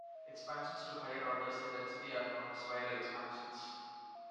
Expansions to higher orders in the density are known as virial expansions.